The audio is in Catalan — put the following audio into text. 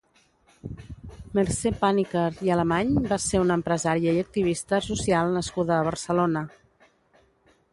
Mercé Pàniker i Alemany va ser una empresària i activista social nascuda a Barcelona.